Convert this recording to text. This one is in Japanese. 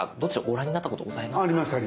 ご覧になったことございますか？